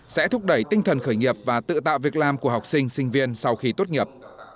sẽ thúc đẩy tinh thần khởi nghiệp và tự tạo việc làm của học sinh sinh viên sau khi tốt nghiệp